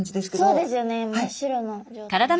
そうですよね真っ白の状態で。